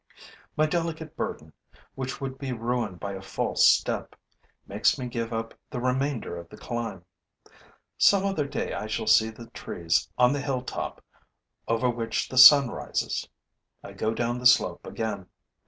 My delicate burden, which would be ruined by a false step, makes me give up the remainder of the climb. Some other day I shall see the trees on the hilltop over which the sun rises. I go down the slope again.